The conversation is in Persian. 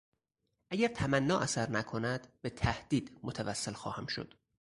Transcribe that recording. اگر تمنا اثر نکند به تهدید متوسل خواهم شد.